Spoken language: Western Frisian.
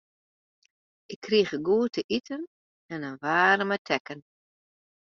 Ik krige goed te iten en in waarme tekken.